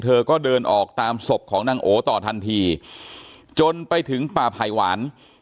เธอก็เดินออกตามศพของนางโอต่อทันทีจนไปถึงป่าไผ่หวาน